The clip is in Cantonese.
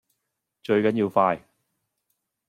最緊要快